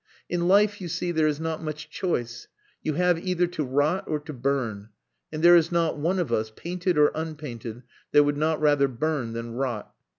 In life, you see, there is not much choice. You have either to rot or to burn. And there is not one of us, painted or unpainted, that would not rather burn than rot."